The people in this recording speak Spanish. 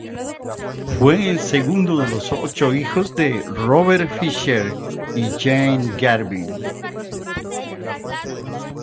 Fue el segundo de los ocho hijos de Robert Fisher y Jane Garvin.